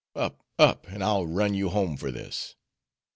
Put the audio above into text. Up, up, and I'll run you home for this.